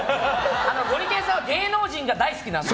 ゴリけんさんは芸能人が大好きなんです。